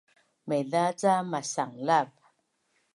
Maiza ca masanglav